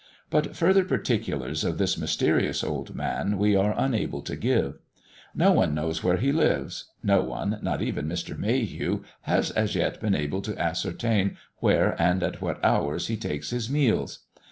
But further particulars of this mysterious old man we are unable to give. No one knows where he lives; no one, not even Mr. Mayhew, has as yet been able to ascertain where and at what hours he takes his meals.